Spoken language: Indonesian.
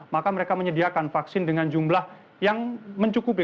maka mereka menyediakan vaksin dengan jumlah yang mencukupi